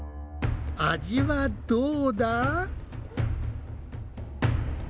味はどうだ？